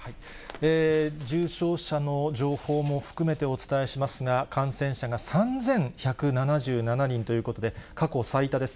重症者の情報も含めてお伝えしますが、感染者が３１７７人ということで、過去最多です。